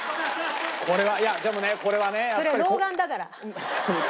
これはいやでもねこれはね。